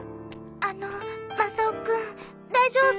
あのマサオくん大丈夫？